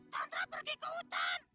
tantra pergi ke hutan